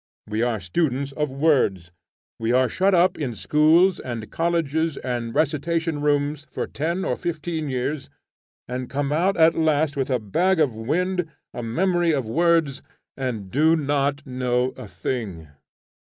We are students of words: we are shut up in schools, and colleges, and recitation rooms, for ten or fifteen years, and come out at last with a bag of wind, a memory of words, and do not know a thing.